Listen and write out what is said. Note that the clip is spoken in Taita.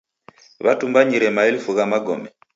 Watumbanyire maelfu gha magome.